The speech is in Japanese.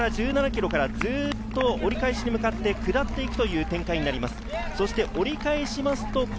ここから１７ｋｍから折り返しに向かって下っていくという展開になっています。